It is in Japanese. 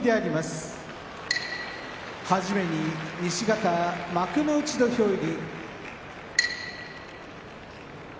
はじめに西方幕内土俵入り。